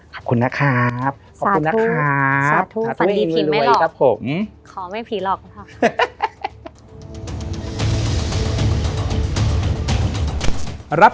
ขอบคุณนะครับ